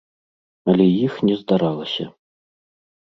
Але іх не здаралася!